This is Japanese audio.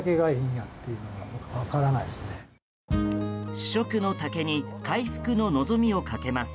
主食の竹に回復の望みをかけます。